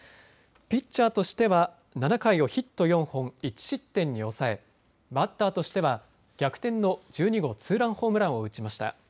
ピッチャーとしては７回をヒット４本、１失点に抑えバッターとしては逆転の１２号ツーランホームランを打ちました。